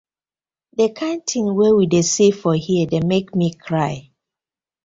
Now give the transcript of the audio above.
Di kin tin wey we dey see for here dey mek mi cry.